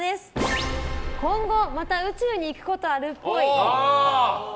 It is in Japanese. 今後また宇宙に行くことあるっぽい。